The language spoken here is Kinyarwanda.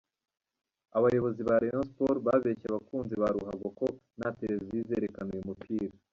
Abayobozi ba Rayon Sports babeshye abakunzi ba ruhago ko nta televiziyo izerekana uyu mupira.